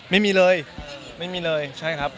ไม่มีเลยไม่มีเลยใช่ครับ